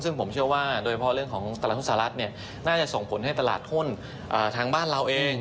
ซึ่งผมเชื่อว่าโดยเฉพาะเรื่องของตลาดหุ้นสหรัฐน่าจะส่งผลให้ตลาดหุ้นทางบ้านเราเอง